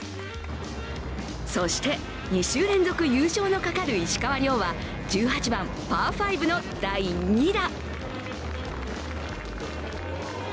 そして、２週連続優勝のかかる石川遼は１８番パー５の第２打。